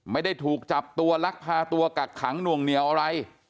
ไม่ได้ถูกจับตัวลักพาตัวกักขังหน่วงเหนียวอะไร